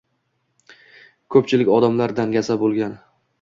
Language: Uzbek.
Ko’pchilik odamlar dangasa bo’lgan